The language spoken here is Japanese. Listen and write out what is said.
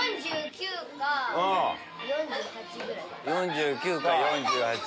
４９か４８。